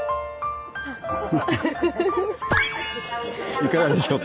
いかがでしょうか？